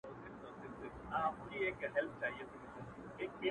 o راسه دوې سترگي مي دواړي درله دركړم ـ